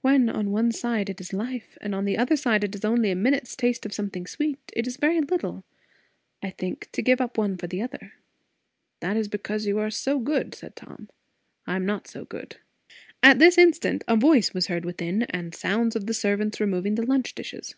When on one side it is life, and on the other side it is only a minute's taste of something sweet, it is very little, I think, to give up one for the other." "That is because you are so good," said Tom. "I am not so good." At this instant a voice was heard within, and sounds of the servants removing the lunch dishes.